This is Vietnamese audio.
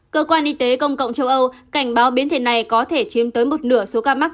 cơ quan y tế công cộng châu âu cảnh báo biến thể này có thể chiếm tới một nửa số ca mắc